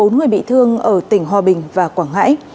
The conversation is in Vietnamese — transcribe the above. bốn người bị thương ở tỉnh hòa bình và quảng ngãi